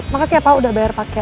makasih apa udah bayar paket